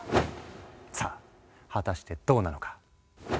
さあ果たしてどうなのか？